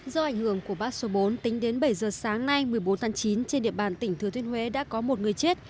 do ảnh hưởng của bão số bốn tính đến bảy giờ sáng nay một mươi bốn tháng chín trên địa bàn tỉnh thừa thiên huế đã có một người chết